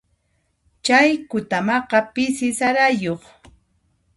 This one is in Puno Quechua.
Chay kutamaqa pisi sarayuq.